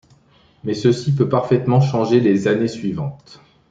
Mais ceci peut parfaitement changer les années suivantes.